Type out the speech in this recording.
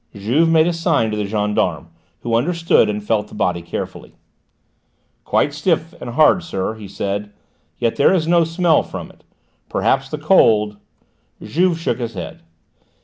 Juve made a sign to the gendarme, who understood, and felt the body carefully. "Quite stiff, and hard, sir," he said; "yet there is no smell from it. Perhaps the cold " Juve shook his head.